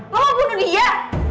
lo mau bunuh dia